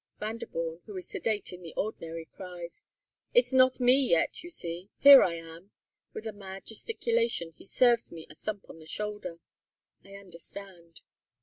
Vanderborn, who is sedate in the ordinary, cries, "It's not me yet, you see! Here I am!" With a mad gesticulation he serves me a thump on the shoulder. I understand.